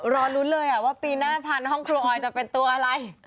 รอลุ้นเลยว่าปีหน้าพันธห้องครัวออยจะเป็นตัวอะไร